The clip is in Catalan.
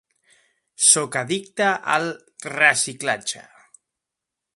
Soc addicte al reciclatge.